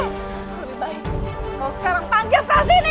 lebih baik kau sekarang panggil prasini